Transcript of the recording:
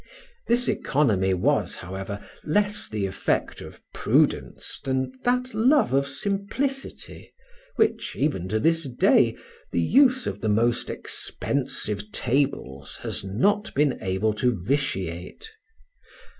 This economy was, however, less the effect of prudence than that love of simplicity, which, even to this day, the use of the most expensive tables has not been able to vitiate.